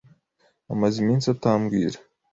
Amaze iminsi atambwira.